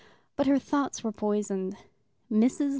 But her thoughts were poisoned. Mrs.